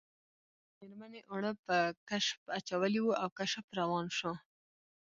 میرمنې اوړه په کشپ اچولي وو او کشپ روان شو